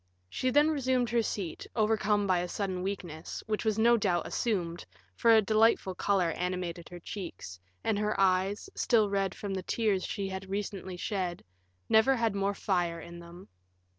She then resumed her seat, overcome by a sudden weakness, which was no doubt assumed, for a delightful color animated her cheeks, and her eyes, still red from the tears she had recently shed, never had more fire in them.